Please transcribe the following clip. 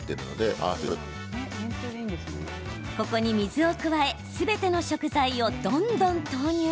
ここに水を加えすべての食材をどんどん投入。